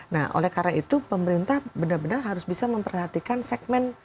nah oleh karena itu pemerintah benar benar harus bisa memperhatikan segmen